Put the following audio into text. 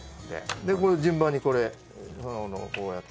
でこれを順番にこれこうやって。